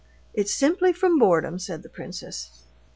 "It's simply from boredom," said the princess.